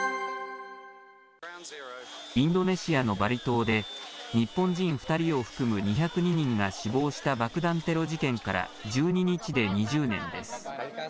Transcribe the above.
インドネシアのバリ島で、日本人２人を含む２０２人が死亡した爆弾テロ事件から１２日で２０年です。